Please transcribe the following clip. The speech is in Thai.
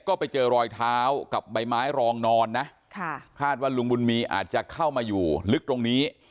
ก็ไปเจอรอยเท้ากับใบไม้รองนอนนะค่ะคาดว่าลุงบุญมีอาจจะเข้ามาอยู่ลึกตรงนี้